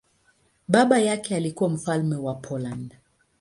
Baba yake alikuwa mfalme wa Poland.